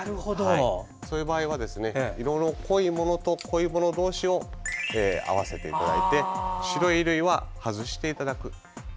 そういう場合は色の濃いものと濃いもの同士を合わせていただいて、白い衣類は外していただく。